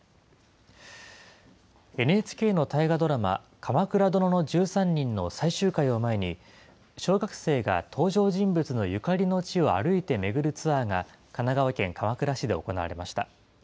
ＮＨＫの大河ドラマ、鎌倉殿の１３人の最終回を前に、小学生が登場人物のゆかりの地を歩いて巡るツアーが、神奈川県鎌倉市で行われました。